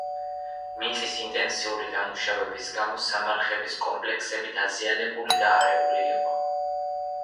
მიწის ინტენსიური დამუშავების გამო სამარხების კომპლექსები დაზიანებული და არეული იყო.